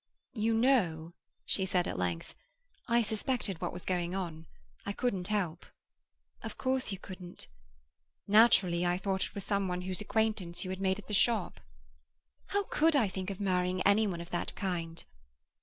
"You know," she said at length, "I suspected what was going on. I couldn't help." "Of course you couldn't." "Naturally I thought it was some one whose acquaintance you had made at the shop." "How could I think of marrying any one of that kind?"